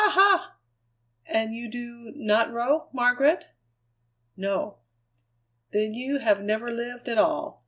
ha!" "And you do not row, Margaret?" "No." "Then you have never lived at all.